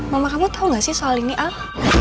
mama kamu tau gak sih soal ini al